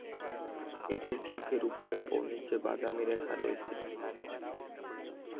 এদের চোখের ওপরে ও নিচে বাদামি রেখা রয়েছে।